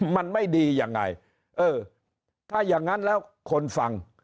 มันไม่ดียังไงเออถ้าอย่างนั้นแล้วคนฟัง